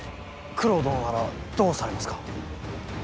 九郎殿ならどうされますか。